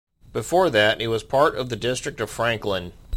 Before that, it was part of the District of Franklin.